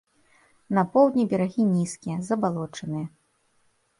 На поўдні берагі нізкія, забалочаныя.